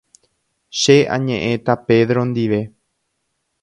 Che añe'ẽta Pedro ndive.